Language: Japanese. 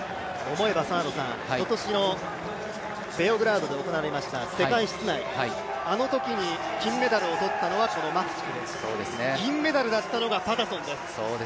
思えば、今年のベオグラードで行われました世界室内、あのときに金メダルを取ったのはこのマフチクで銀メダルだったのがパタソンです。